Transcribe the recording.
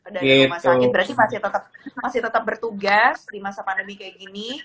dari rumah sakit berarti masih tetap bertugas di masa pandemi kayak gini